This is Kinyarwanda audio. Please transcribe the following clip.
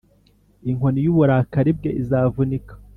inkoni y’uburakari bwe izavunika